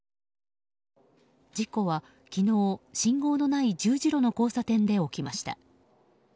事故は昨日、信号のない十字路の交差点で起きました。